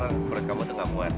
menurut kamu tuh gak muat